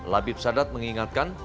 labib sadat mengingatkan